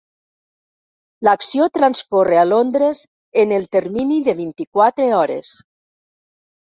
L'acció transcorre a Londres en el termini de vint-i-quatre hores.